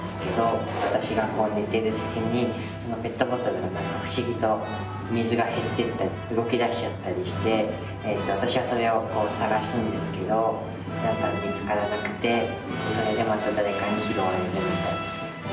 私がこう寝てる隙にペットボトルが何か不思議と水が減ってったり動き出しちゃったりして私はそれをこう捜すんですけど見つからなくてそれでまた誰かに拾われるみたいな。